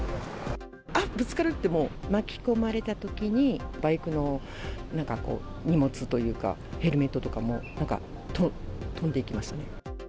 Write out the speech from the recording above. あっ、ぶつかるって、もう、巻き込まれたときに、バイクのなんかこう、荷物というか、ヘルメットとかも飛んでいきましたね。